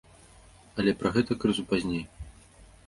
Але пра гэта крызу пазней.